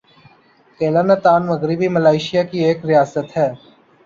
"Kelantan" مغربی Malaysia کی ایک ریاست ہے۔